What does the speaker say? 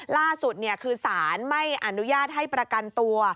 ล่าสุดคือสารไม่อนุญาตให้ประกันตัว